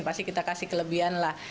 pasti kita kasih kelebihan lah